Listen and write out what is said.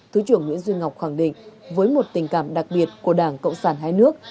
thứ trưởng nguyễn duy ngọc khẳng định với một tình cảm đặc biệt của đảng cộng sản hai nước